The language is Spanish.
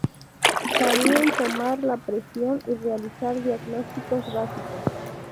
Sabían tomar la presión y realizar diagnósticos básicos.